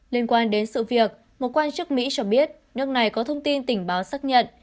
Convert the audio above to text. liên quan đến sự việc một quan chức mỹ cho biết nước này có thông tin tình báo xác nhận